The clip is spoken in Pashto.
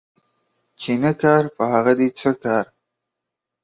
چي نه کار په هغه دي څه کار.